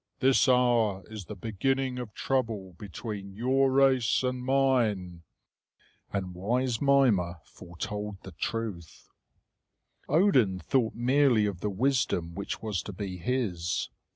This hour is the beginning of trouble between your race and mine." And wise Mimer foretold the truth. Odin thought merely of the wisdom which was to be his.